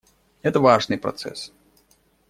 Это важный процесс.